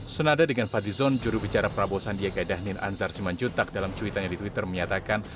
senada dengan fadlizon jurubicara prabowo sandiaga dhanil anzar simanjutak dalam cuitannya di twitter menyatakan